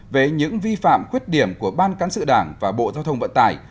về những vi phạm khuyết điểm của ban cán sự đảng và bộ giao thông vận tải